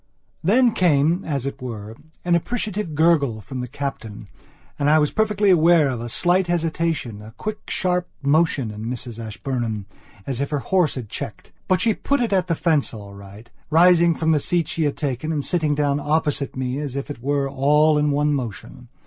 Then came, as it were, an appreciative gurgle from the Captain and I was perfectly aware of a slight hesitationa quick sharp motion in Mrs Ashburnham, as if her horse had checked. But she put it at the fence all right, rising from the seat she had taken and sitting down opposite me, as it were, all in one motion.